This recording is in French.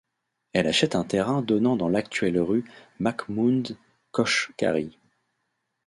Elle achète un terrain donnant dans l'actuelle rue Makhmoud Kochgari.